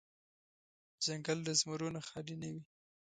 ځنګل د زمرو نه خالې نه وي.